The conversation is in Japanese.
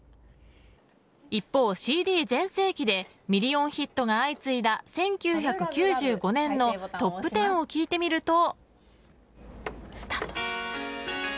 一方、ＣＤ全盛期でミリオンヒットが相次いだ１９９５年のトップ１０を聞いてみると。